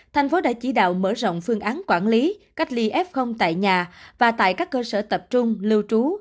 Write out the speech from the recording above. thành phố đã chỉ đạo mở rộng phương án quản lý cách ly f tại nhà và tại các cơ sở tập trung lưu trú